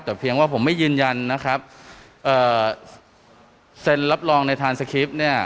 แต่เพียงว่าผมไม่ยืนยันนะครับเอ่อเซ็นรับรองในทานสคริปต์เนี่ย